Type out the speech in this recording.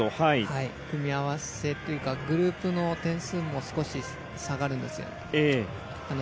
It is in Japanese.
組み合わせというかグループの点数も少し下がるんです。